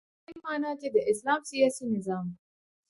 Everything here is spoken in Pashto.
په دی معنا چی د اسلام سیاسی نظام